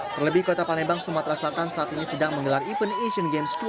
terlebih kota palembang sumatera selatan saat ini sedang menggelar event asian games dua ribu delapan